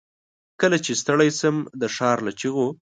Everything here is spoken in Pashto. کله چې ستړی شم، دښارله چیغو